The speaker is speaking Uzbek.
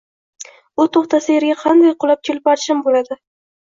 U to’xtasa yerga qanday qulab chilparchin bo’ladi